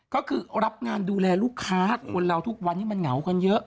ก็คือรับงานดูแลลูกค้าคนเราทุกวันนี้มันเหงากันเยอะ